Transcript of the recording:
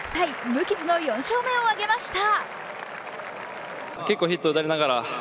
無傷の４勝目を挙げました。